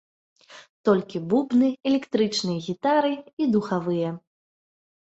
Толькі бубны, электрычныя гітары і духавыя.